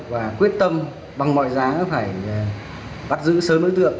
và quyết tâm bằng mọi giá phải bắt giữ sớm đối tượng